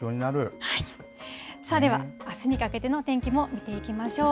では、あすにかけての天気も見ていきましょう。